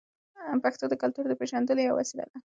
پښتو د کلتور د پیژندلو یوه وسیله ده.